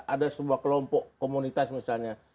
ada sebuah kelompok komunitas misalnya